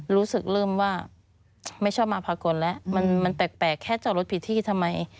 รู้สึกเริ่มว่าไม่ชอบมาพากลแล้วมันแปลกแค่จอดรถผิดที่ทำไม